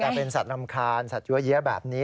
ใช่ค่ะแต่เป็นสัตว์รำคาญสัตว์ยัวเยี้ยแบบนี้